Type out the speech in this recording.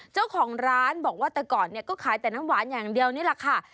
เจ้าของร้านบอกว่าแต่ก่อนเนี่ยก็ขายแต่น้ำหวานอย่างเดียวนี่แหละค่ะ